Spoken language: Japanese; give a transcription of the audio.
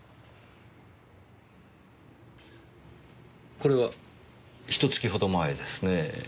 これはひと月ほど前ですねぇ。